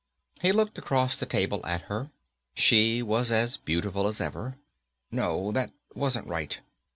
He looked across the table at her. She was as beautiful as ever. No, that wasn't right.